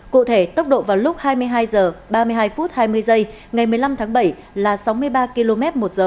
cụ thể tốc độ vào lúc hai mươi hai h ba mươi hai hai mươi ngày một mươi năm tháng bảy là sáu mươi ba km